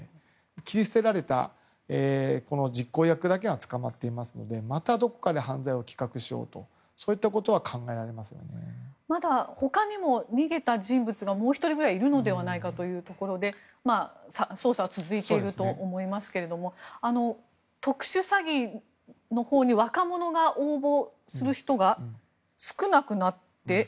切り捨てられた実行役だけが捕まっていますのでまた犯罪を計画しようと他にも逃げた人物がもう１人ぐらいいるのではというところで捜査は続いていると思いますが特殊詐欺のほうに若者が応募する人が少なくなって。